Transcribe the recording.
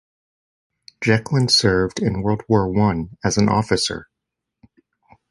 Jeckeln served in World War One as an officer.